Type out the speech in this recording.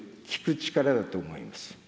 力だと思います。